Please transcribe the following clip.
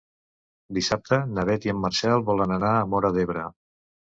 Dissabte na Beth i en Marcel volen anar a Móra d'Ebre.